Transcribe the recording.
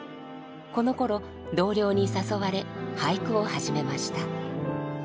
このころ同僚に誘われ俳句を始めました。